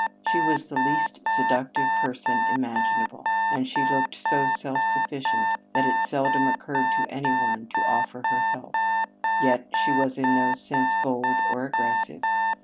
She was the least seductive person imaginable; and she looked so self sufficient that it seldom occurred to any one to offer her help. Yet she was in no sense bold or aggressive.